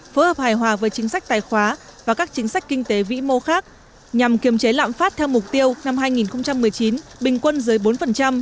phối hợp hài hòa với chính sách tài khoá và các chính sách kinh tế vĩ mô khác nhằm kiềm chế lạm phát theo mục tiêu năm hai nghìn một mươi chín bình quân dưới bốn